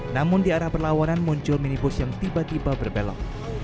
namun di arah perlawanan muncul minibus yang tiba tiba berbelok